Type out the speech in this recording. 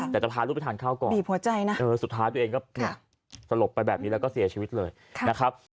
แต่จะพาลูกไปทานข้าวก่อนบีบหัวใจนะสุดท้ายตัวเองก็สลบไปแบบนี้แล้วก็เสียชีวิตเลยนะครับ